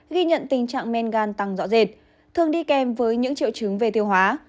ghi nhận tình trạng men gan tăng rõ rệt thường đi kèm với những triệu chứng về tiêu hóa